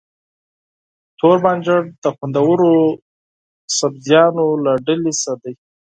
توربانجان د خوندورو سبزيجاتو له ډلې څخه دی.